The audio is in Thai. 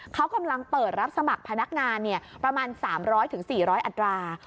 เขากำลังเปิดรับสมัครพนักงานประมาณ๓๐๐๔๐๐อัตรา